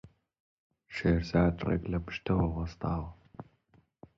شێرزاد ڕێک لە پشتتەوە وەستاوە.